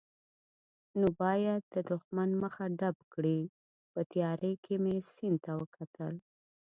نو باید د دښمن مخه ډب کړي، په تیارې کې مې سیند ته وکتل.